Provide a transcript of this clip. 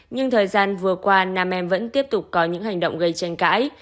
nhưng thời gian vừa qua nam em vẫn tiếp tục có những hành động gây tranh cãi